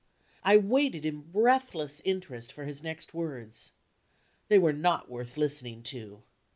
I waited, in breathless interest, for his next words. They were not worth listening to.